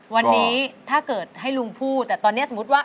วันนี้ถ้าเกิดให้ลุงพูดแต่ตอนนี้สมมุติว่า